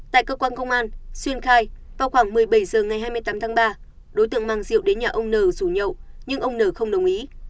tại cơ quan công an xuyên khai vào khoảng một mươi bảy h ngày hai mươi tám tháng ba đối tượng mang rượu đến nhà ông n rủ nhưng ông nở không đồng ý